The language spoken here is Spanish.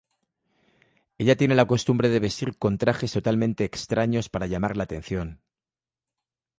Ella tiene la costumbre de vestir con trajes totalmente extraños para llamar la atención.